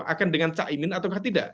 akan dengan cak imin atau tidak